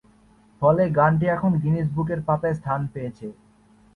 ফলে গানটি এখন গিনেস বুকের পাতায় স্থান পেয়েছে।